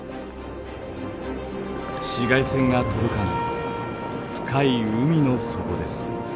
紫外線が届かない深い海の底です。